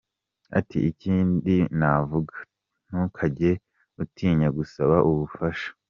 Ati “… Ikindi navuga , ntukajye utinya gusaba ubufasha.